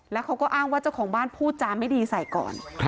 แล้วเขาก็อ้างว่าเจ้าของบ้านพูดจาไม่ดีใส่ก่อน